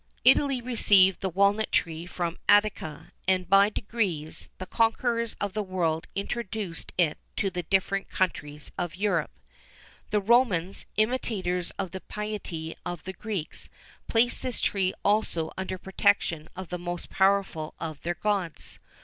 [XIV 15] Italy received the walnut tree from Attica, and, by degrees, the conquerors of the world introduced it to the different countries of Europe. The Romans, imitators of the piety of the Greeks, placed this tree also under the protection of the most powerful of their gods.